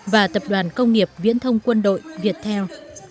và tập đoàn công nghiệp viễn thông quân đội việt theo